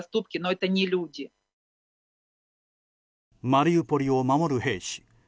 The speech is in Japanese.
マリウポリを守る兵士。